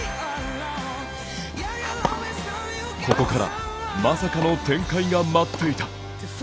ここから、まさかの展開が待っていた。